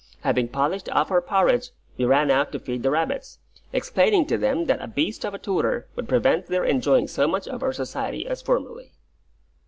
Having polished off our porridge, we ran out to feed the rabbits, explaining to them that a beast of a tutor would prevent their enjoying so much of our society as formerly.